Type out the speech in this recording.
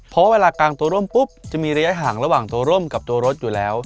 เพราะเวลากลางตัวร่มปุ๊บจะมีระยะห่างระหว่างตัวร่มกับตัวรถอยู่แล้ว